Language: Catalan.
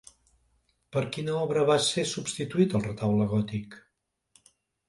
Per quina obra va ser substituït el retaule gòtic?